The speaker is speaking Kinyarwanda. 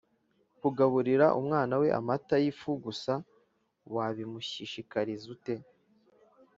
kugaburira umwana we amata y’ ifu gusa wabimushishikariza ute?